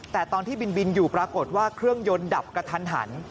แต่ตอนที่บินอยู่ปรากฏว่าเครื่องยนต์ดับกระทันหัน